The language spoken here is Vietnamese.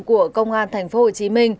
của công an tp hcm